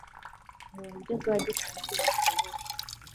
mu buryo bwa gicuti bushoboka